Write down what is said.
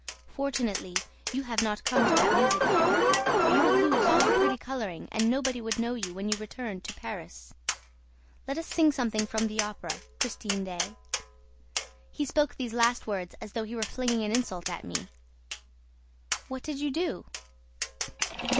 Fortunately, you have not come to that music yet, for you would lose all your pretty coloring and nobody would know you when you returned to Paris. Let us sing something from the Opera, Christine Daae.' He spoke these last words as though he were flinging an insult at me." "What did you do?"